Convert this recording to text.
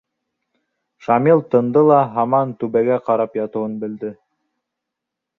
Шамил тынды ла һаман түбәгә ҡарап ятыуын белде.